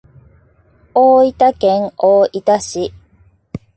大分県大分市